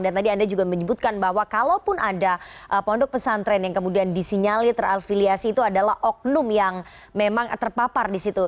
dan tadi anda juga menyebutkan bahwa kalaupun ada pondok pesantren yang kemudian disinyali terafiliasi itu adalah oknum yang memang terpapar di situ